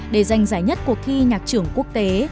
để giành giải nhất cuộc thi nhạc trưởng quốc tế